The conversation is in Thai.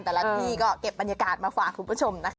แต่ละที่ก็เก็บบรรยากาศมาฝากคุณผู้ชมนะคะ